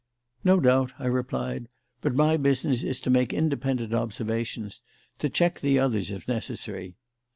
"No doubt," I replied; "but my business is to make independent observations, to check the others, if necessary."